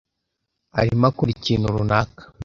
arimo akora ikintu runaka.